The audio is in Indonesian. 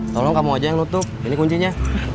tolong kamu aja yang nutup ini kuncinya